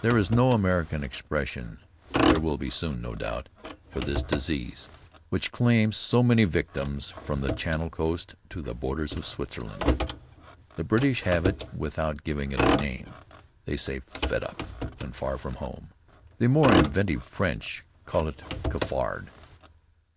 There is no American expression there will be soon, no doubt for this disease which claims so many victims from the Channel coast to the borders of Switzerland. The British have it without giving it a name. They say "Fed up and far from home." The more inventive French call it "Cafard."